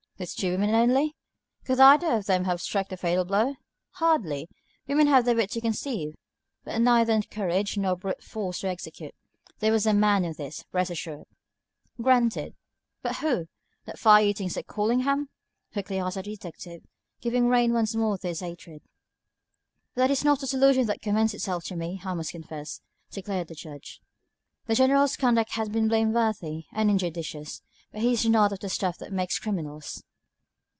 These two women only? Could either of them have struck the fatal blow? Hardly. Women have the wit to conceive, but neither courage nor brute force to execute. There was a man in this, rest assured." "Granted. But who? That fire eating Sir Collingham?" quickly asked the detective, giving rein once more to his hatred. "That is not a solution that commends itself to me, I must confess," declared the Judge. "The General's conduct has been blameworthy and injudicious, but he is not of the stuff that makes criminals."